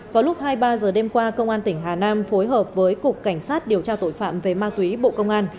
vào lúc hai mươi ba h đêm qua công an tỉnh hà nam phối hợp với cục cảnh sát điều tra tội phạm về ma túy bộ công an